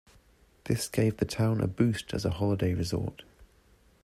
This gave the town a boost as a holiday resort.